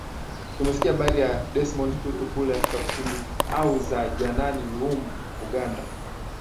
Tumesikia habari za Desmond Tutu kule Afrika Kusini au za Janani Luwum Uganda